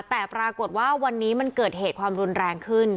แต่ปรากฏว่าวันนี้มันเกิดเหตุความรุนแรงขึ้น